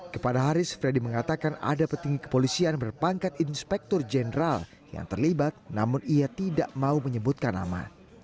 kepada haris freddy mengatakan ada petinggi kepolisian berpangkat inspektur jenderal yang terlibat namun ia tidak mau menyebutkan nama